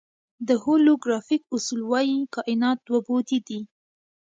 د هولوګرافیک اصول وایي کائنات دوه بعدی دی.